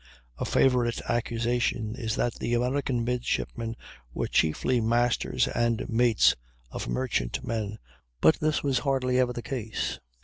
A favorite accusation is that the American midshipmen were chiefly masters and mates of merchant men; but this was hardly ever the case.